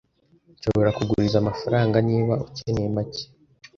Nshobora kuguriza amafaranga niba ukeneye make.